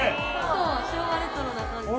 昭和レトロな感じ。